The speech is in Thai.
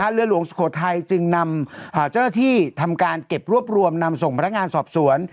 เรือหลวงสุโขทัยจึงนำเจ้าหน้าที่ทำการเก็บรวบรวมนำส่งพนักงานสอบสวน